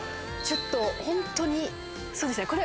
ちょっとホントにそうですね